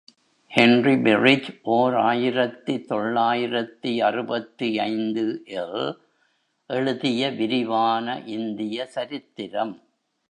Henry பெரிஜ் ஓர் ஆயிரத்து தொள்ளாயிரத்து அறுபத்தைந்து ல் எழுதிய விரிவான இந்திய சரித்திரம்.